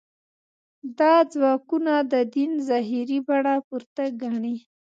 دا ځواکونه د دین ظاهري بڼه پورته ګڼي.